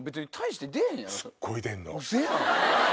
ウソやん⁉